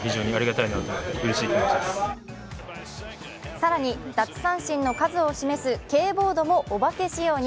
更に奪三振の数を示すＫボードもお化け仕様に。